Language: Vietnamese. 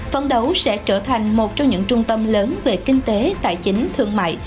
phấn đấu sẽ trở thành một trong những trung tâm lớn về kinh tế tài chính thương mại